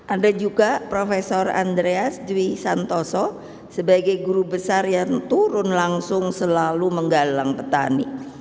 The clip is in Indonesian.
ada juga prof andreas dwi santoso sebagai guru besar yang turun langsung selalu menggalang petani